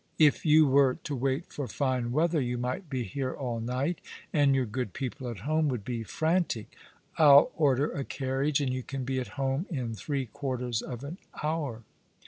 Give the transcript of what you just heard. " If you were to wait for fine weather you might be here all night, and your good people at home would be frantic. I'll order a carriage, and you can be at home in three quarters of an hour."